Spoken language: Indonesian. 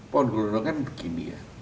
pohon gelondongan begini ya